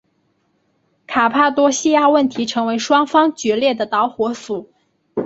卡帕多细亚问题成为双方决裂的导火索。